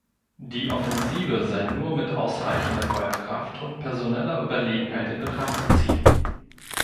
Die Offensive sei nur mit ausreichender Feuerkraft und personeller Überlegenheit in Betracht zu ziehen.